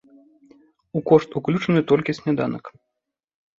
У кошт уключаны толькі сняданак.